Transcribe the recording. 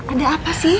ada apa sih